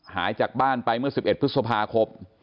หายจากบ้านไปเมื่อ๑๑พฤษภาคม